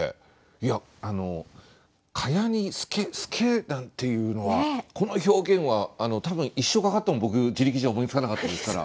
いや「蚊帳に透け」「透け」なんていうのはこの表現は多分一生かかっても僕自力じゃ思いつかなかったですから。